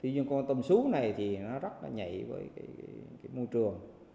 nhưng con tôm sú này thì nó rất nhạy với môi trường